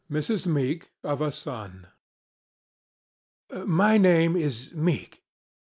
MES. MEEK, OF A SON." MY name is Meek.